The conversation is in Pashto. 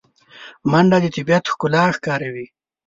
منډه د طبیعت ښکلا ښکاروي